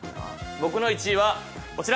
僕の１位はこちら！